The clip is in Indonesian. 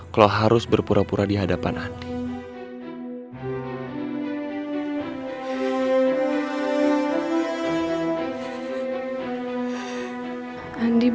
kalo harus berpura pura di hadapan andi